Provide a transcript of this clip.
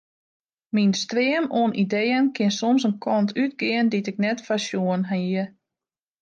Myn stream oan ideeën kin soms in kant útgean dy't ik net foarsjoen hie.